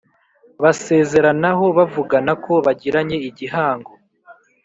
basezeranaho bavugana ko bagiranye igihango.